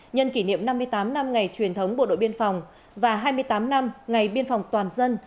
nhân kỷ niệm năm mươi tám năm ngày truyền thống bộ đội biên phòng và hai mươi tám năm ngày biên phòng toàn dân